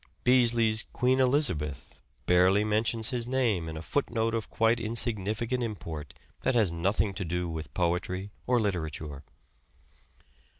Beesly's " Queen Elizabeth " barely mentions his name in a footnote of quite insig nificant import that has nothing to do with poetry or literature.